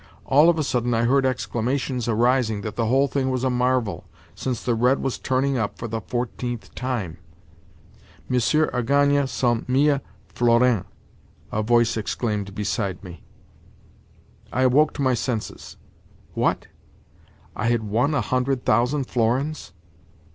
All of a sudden I heard exclamations arising that the whole thing was a marvel, since the red was turning up for the fourteenth time! "Monsieur a gagné cent mille florins," a voice exclaimed beside me. I awoke to my senses. What? I had won a hundred thousand florins?